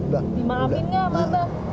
dimaafin nggak abah